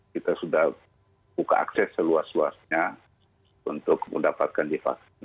kita sudah buka akses seluas luasnya untuk mendapatkan divaksin